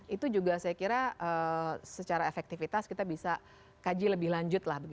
itu juga saya kira secara efektivitas kita bisa kaji lebih lanjut lah